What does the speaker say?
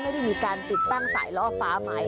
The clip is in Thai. ไม่ได้มีการติดตั้งสายล่อฟ้าไหม